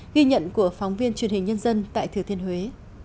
ghi nhận của phóng viên truyền hình nhân dân tại thừa thiên huế